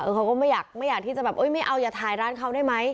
เขาก็ไม่อยากไม่อยากที่จะแบบไม่เอาอย่าถ่ายร้านเขาได้ไหม